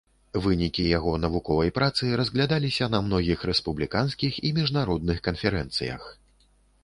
Вынікі яго навуковай працы разглядаліся на многіх рэспубліканскіх і міжнародных канферэнцыях.